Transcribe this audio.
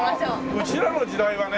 うちらの時代はね